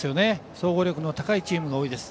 総合力の高いチームが多いです。